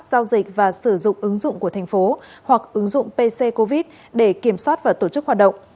giao dịch và sử dụng ứng dụng của thành phố hoặc ứng dụng pc covid để kiểm soát và tổ chức hoạt động